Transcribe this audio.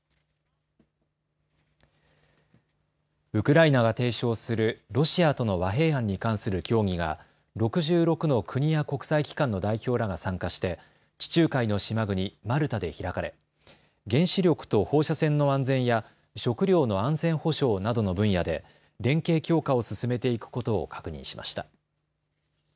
ウクライナが提唱するロシアとの和平案に関する協議が６６の国や国際機関の代表らが参加して地中海の島国、マルタで開かれ原子力と放射線の安全や食料の安全保障などの分野で連携強化を進めていくことを確認しました。